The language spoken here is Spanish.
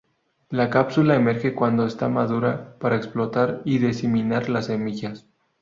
La cápsula emerge cuando está madura para explotar y diseminar las semillas.